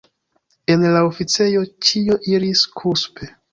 En la oficejo, ĉio iris kuspe.